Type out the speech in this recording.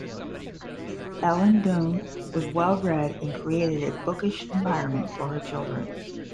Ellen Dunne was well-read, and created a bookish environment for her children.